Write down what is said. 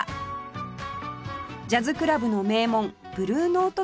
ジャズクラブの名門ブルーノート